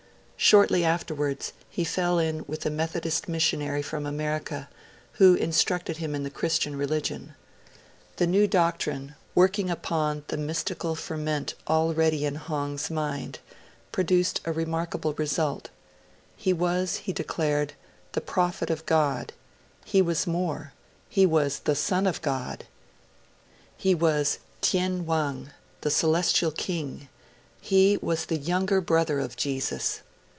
Shortly afterwards, he fell in with a Methodist missionary from America, who instructed him in the Christian religion. The new doctrine, working upon the mystical ferment already in Hong's mind, produced a remarkable result. He was, he declared, the prophet of God; he was more he was the Son of God; he was Tien Wang, the Celestial King; he was the younger brother of Jesus.